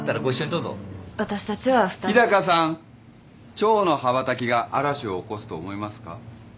チョウの羽ばたきが嵐を起こすと思いますか。